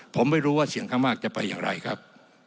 ผมไม่รู้ว่าเสียงข้างมากจะไปอย่างไรครับ